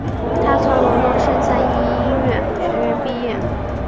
他从伦敦圣三一音乐学院毕业。